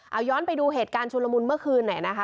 เอาย้อนไปดูเหตุการณ์ชุลมุนเมื่อคืนหน่อยนะคะ